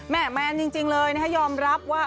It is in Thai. แมนจริงเลยนะคะยอมรับว่า